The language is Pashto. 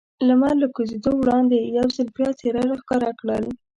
لمر له کوزېدو وړاندې یو ځل بیا څېره را ښکاره کړل.